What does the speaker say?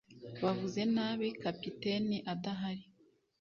Bavuze nabi kapiteni adahari.